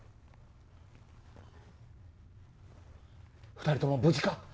２人とも無事か！？